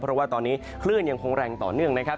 เพราะว่าตอนนี้คลื่นยังคงแรงต่อเนื่องนะครับ